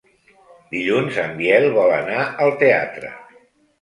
Dilluns en Biel vol anar al teatre.